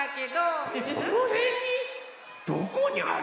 どこにあるの？